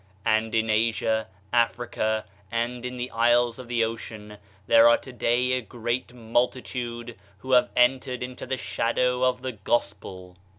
And in Asia, Africa, and in the Isles of the Ocean, there are today a great multitude who have entered into die shadow of the Gospel.